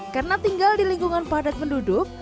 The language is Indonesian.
karena tinggal di lingkungan padat penduduk